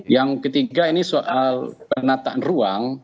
yang ketiga ini soal penataan ruang